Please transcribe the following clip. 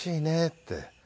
って。